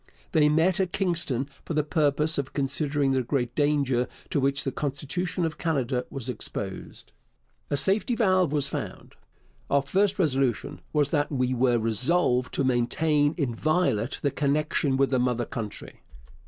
They met at Kingston for the purpose of considering the great danger to which the constitution of Canada was exposed. A safety valve was found. Our first resolution was that we were resolved to maintain inviolate the connection with the mother country.